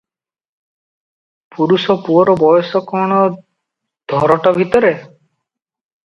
ପୁରୁଷ ପୁଅର ବୟସ କଣ ଧରୋଟ ଭିତରେ?